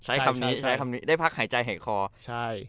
ใช้คำนี้ใช้คำนี้ได้พักหายใจหายคอใช่